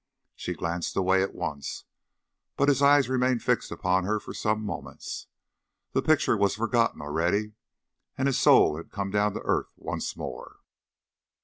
She glanced away at once, but his eyes remained fixed upon her for some moments. The picture was forgotten already, and his soul had come down to earth once more.